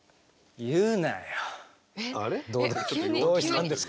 どうしたんですか？